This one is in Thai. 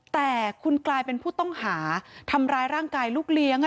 แต่คุณกลายเป็นผู้ต้องหาทำร้ายร่างกายลูกเลี้ยง